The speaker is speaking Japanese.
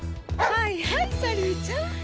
はいはいサリーちゃん。